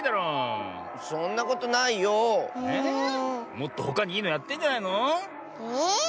もっとほかにいいのやってんじゃないの？え。